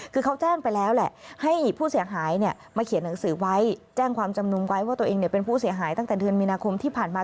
คือเขาแจ้งไปแล้วแหละให้ผู้เสียหายมาเขียนหนังสือไว้แจ้งความจำนงไว้ว่าตัวเองเป็นผู้เสียหายตั้งแต่เดือนมีนาคมที่ผ่านมา